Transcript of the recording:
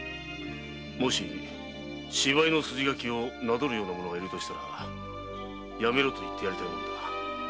もし芝居の筋書きをなぞるような者がいるとしたらやめろと言ってやりたいのだ。